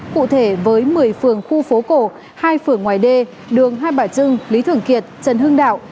cụ thể với một mươi phường khu phố cổ hai phường ngoài đê đường hai bà trưng lý thường kiệt trần hưng đạo